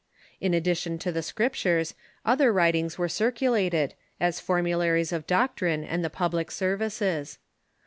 In addition to the Scriptures, other writings were circulated, as formularies of doctrine and the public services.